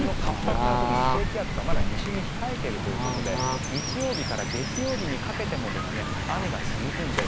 そして、前線の活発な部分が控えているということで日曜日から月曜日にかけても雨が続くんです。